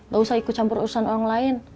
gak usah ikut campur urusan orang lain